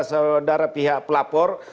saudara pihak pelapor